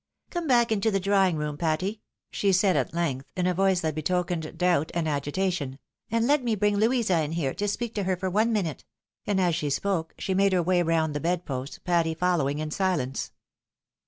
" Come back into the drawing room, Patty," she said at length, in a voice that betokened doubt and agitation, " and let me bring Louisa in here, to speak to her for one minute ;" and as she spoke, she made her way round the bed post, Patty following in silence.